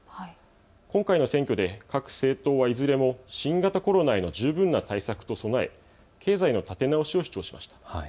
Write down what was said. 今回の選挙で各政党はいずれも新型コロナへの十分な対策と備え、経済の立て直しを主張しました。